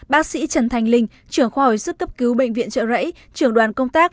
bác sĩ trần thành linh trưởng khoa hồi sức cấp cứu bệnh viện trợ rẫy trưởng đoàn công tác